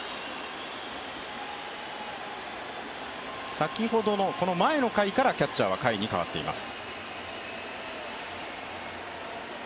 先ほどの前の回からキャッチャーは甲斐に代わっています。